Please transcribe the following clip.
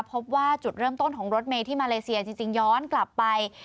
พบว่าจุดเริ่มต้นของรถเมย์ที่มาเลเซียจริงย้อนกลับไป